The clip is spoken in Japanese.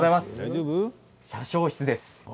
車掌室です。